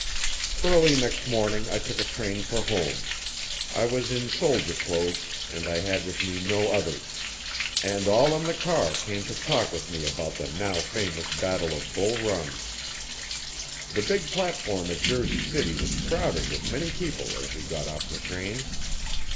Early next morning I took a train for home. I was in soldier clothes I had with me, no others and all in my car came to talk with me about the now famous battle of Bull Run. The big platform at Jersey City was crowded with many people as we got off the train.